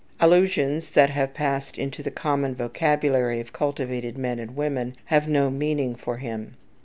Allusions that have passed into the common vocabulary of cultivated men and women have no meaning for him.